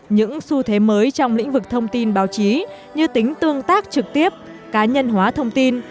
những xu thế mới trong lĩnh vực thông tin báo chí như tính tương tác trực tiếp cá nhân hóa thông tin